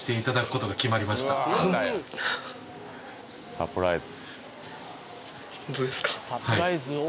サプライズ